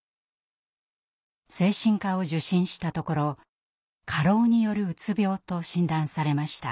精神科を受診したところ過労によるうつ病と診断されました。